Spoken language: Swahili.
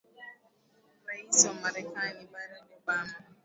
rais wa marekani barack obama